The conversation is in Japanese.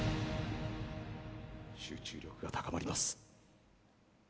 集中力が高まります